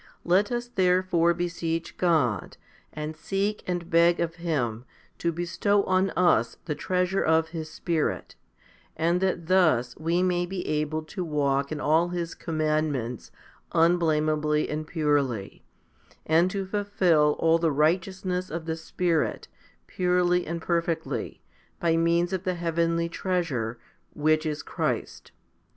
Let us therefore beseech God, and seek and beg of Him, to bestow on us the treasure of His Spirit, and that thus we may be able to walk in all His commandments unblameably and purely, and to fulfil all the righteousness of the Spirit purely and perfectly, by means of the heavenly treasure, which is Christ.